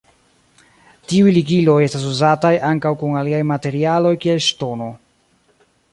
Tiuj ligiloj estas uzataj ankaŭ kun aliaj materialoj kiel ŝtono.